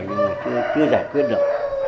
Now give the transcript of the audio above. nhưng mà chưa giải quyết được